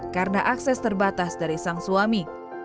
karena akses terbatas dari sang suami